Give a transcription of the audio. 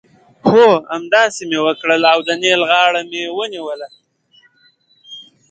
هو! همداسې مې وکړل او د نېل غاړه مې ونیوله.